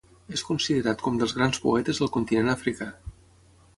És considerat com dels grans poetes del continent africà.